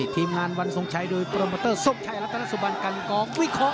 ทีมงานวันสงสัยโดยโปรโมเตอร์สงสัยและศุบันกัลกอง